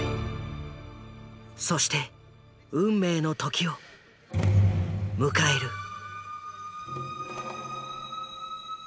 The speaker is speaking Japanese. そして運命の時を迎える。